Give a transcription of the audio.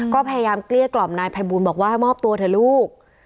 ก็พยายามเกลี้ยกล่อมนายภัยบูลบอกว่าให้มอบตัวเถอะลูก